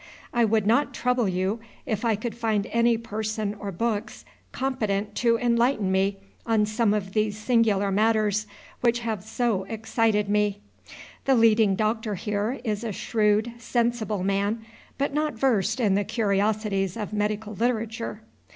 I would not trouble you, if I could find any person or books competent to enlighten me on some of these singular matters which have so excited me. The leading doctor here is a shrewd, sensible man, but not versed in the curiosities of medical literature.